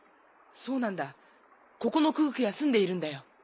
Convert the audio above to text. そうなんだここの空気は澄んでいるんだよ。